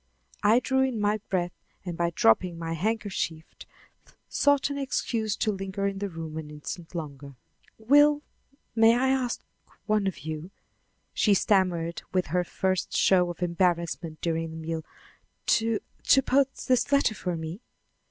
I drew in my breath and by dropping my handkerchief sought an excuse for lingering in the room an instant longer. "Will may I ask one of you," she stammered with her first show of embarrassment during the meal, "to to post this letter for me?"